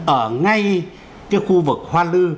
ở ngay cái khu vực hoa lư